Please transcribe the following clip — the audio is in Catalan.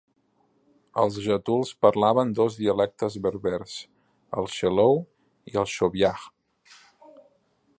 Els getuls parlaven dos dialectes berbers: el schellou i el schoviah.